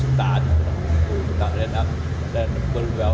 kemungkinan harus takut takut dan berubah